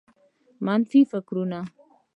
منفي فکرونه